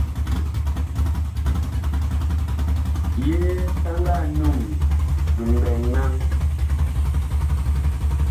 Yee ɛ nga num mɓɛɛŋ naŋ ?